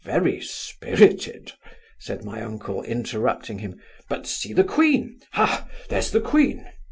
very spirited! (said my uncle, interrupting him) but see the queen! ha, there's the queen!